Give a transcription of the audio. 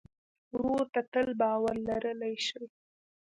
ورور ته تل باور لرلی شې.